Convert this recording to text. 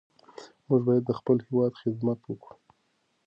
موږ باید د خپل هېواد خدمت وکړو.